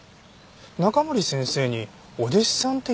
中森先生にお弟子さんっていたんでしょうか？